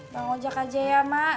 bang ojek aja ya mak